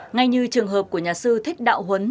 ngay như trường hợp của nhà sư thích đạo huấn